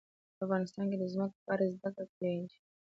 افغانستان کې د ځمکه په اړه زده کړه کېږي.